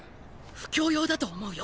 布教用だと思うよ。